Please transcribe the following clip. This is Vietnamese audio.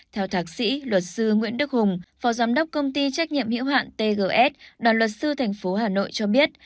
theo thạc sĩ luật sư nguyễn đức hùng phó giám đốc công ty trách nhiệm hiệu hạn tgs đoàn luật sư thành phố hà nội cho biết